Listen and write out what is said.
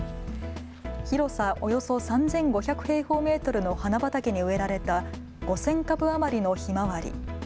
広さおよそ３５００平方メートルの花畑に植えられた５０００株余りのひまわり。